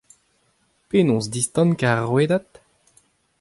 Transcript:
Penaos distankañ ar rouedad ?